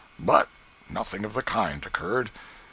But nothing of the kind occurred.